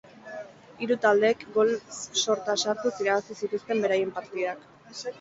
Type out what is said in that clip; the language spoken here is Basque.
Hiru taldeek gol sorta sartuz irabazi zituzten beraien partidak.